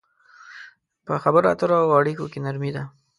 په خبرو اترو او اړيکو کې نرمي ده.